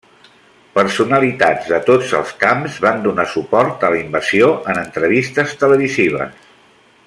Personalitats de tots els camps van donar suport a la invasió en entrevistes televisives.